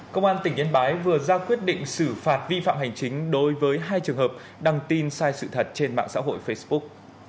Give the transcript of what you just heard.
công an tỉnh yên bái vừa ra quyết định xử phạt vi phạm hành chính đối với hai trường hợp đăng tin sai sự thật trên mạng xã hội facebook